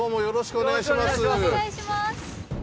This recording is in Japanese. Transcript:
よろしくお願いします。